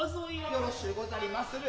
宜しゅうござりまする。